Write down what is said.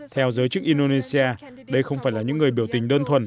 theo giới chức indonesia đây không phải là những người biểu tình đơn thuần